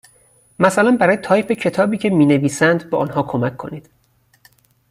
مثلا برای تایپ کتابی که می نویسند به آنها کمک کنید.